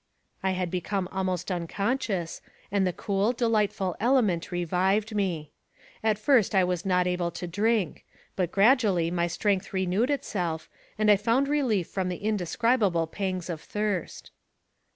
I had become almost unconscious, and the cool, delightful element revived me. At first I was not able to drink, but gradually my strength renewed itself, and I found relief from the indescribable pangs of thirst.